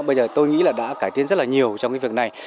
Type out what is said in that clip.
bây giờ tôi nghĩ đã cải thiện rất nhiều trong việc này